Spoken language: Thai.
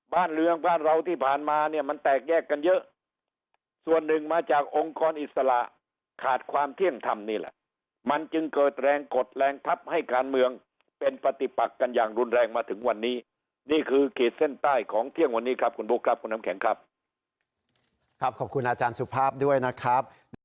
บ้านเมืองบ้านเราที่ผ่านมาเนี่ยมันแตกแยกกันเยอะส่วนหนึ่งมาจากองค์กรอิสระขาดความเที่ยงธรรมนี่แหละมันจึงเกิดแรงกดแรงทัพให้การเมืองเป็นปฏิปักกันอย่างรุนแรงมาถึงวันนี้นี่คือขีดเส้นใต้ของเที่ยงวันนี้ครับคุณบุ๊คครับคุณน้ำแข็งครับครับขอบคุณอาจารย์สุภาพด้วยนะครับ